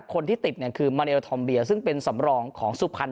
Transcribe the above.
คนที่ติดเนี้ยคือมัเนลทอมเบียซึ่งเป็นสำรองของสุพันธ์